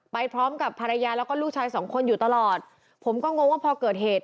ไปพร้อมกับภรรยาแล้วก็ลูกชายสองคนอยู่ตลอดผมก็งงว่าพอเกิดเหตุ